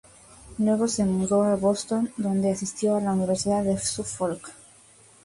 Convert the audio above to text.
Luego se mudó a Boston, donde asistió a la Universidad de Suffolk.